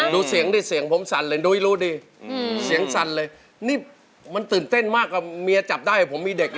ดูเสียงสั่นเลยเสียงมันตื่นเต้นมากเมียจับได้ผมมีเด็กแบบนี้